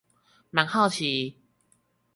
蠻好奇